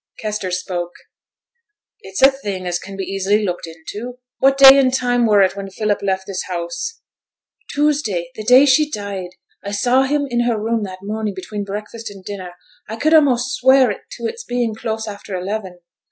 Kester spoke. 'It's a thing as can be easy looked into. What day an' time were it when Philip left this house?' 'Tuesday the day she died. I saw him in her room that morning between breakfast and dinner; I could a'most swear to it's being close after eleven.